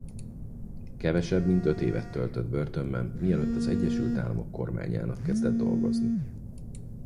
Kevesebb mint öt évet töltött börtönben mielőtt az Egyesült Államok kormányának kezdett dolgozni.